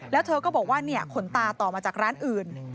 แล้วเธอก็บอกว่าขนตาต่อมาจากร้านอื่น